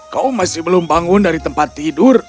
kau masih belum bangun dari tempat tidur